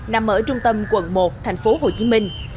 nằm ở trung tâm quận một thành phố hồ chí minh